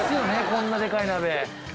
こんなでかい鍋。